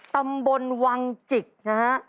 ตำบลวังจิกนะฮะ